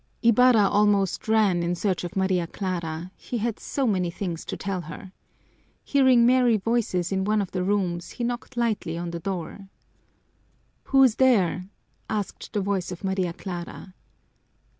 Ibarra almost ran in search of Maria Clara he had so many things to tell her. Hearing merry voices in one of the rooms, he knocked lightly on the door. "Who's there?" asked the voice of Maria Clara.